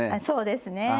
そうですね。